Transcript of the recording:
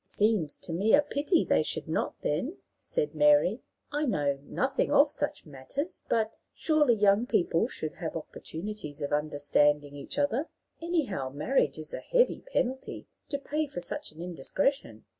"It seems to me a pity they should not, then," said Mary. "I know nothing of such matters, but, surely, young people should have opportunities of understanding each other. Anyhow, marriage is a heavy penalty to pay for such an indiscretion.